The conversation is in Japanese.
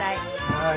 はい。